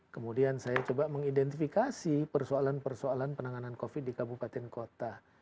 kemudian saya coba mengidentifikasi persoalan persoalan penanganan covid di kabupaten kota